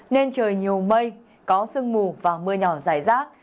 nên trời nhiều mây có sương mù và mưa nhỏ dài rác